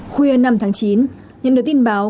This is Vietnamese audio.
khuya năm tháng chín những đối tin báo